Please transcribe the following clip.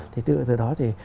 thì từ đó thì